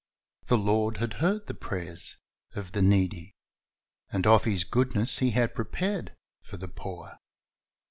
The Lord had heard the prayers of the needy, and of His goodness He had prepared for the poor.